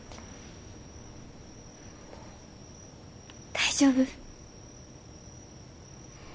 大丈夫？